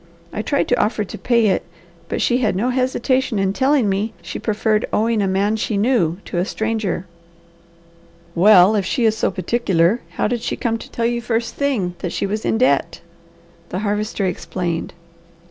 I tried to offer to pay it, but she had no hesitation in telling me she preferred owing a man she knew to a stranger." "Well if she is so particular, how did she come to tell you first thing that she was in debt?" The Harvester explained.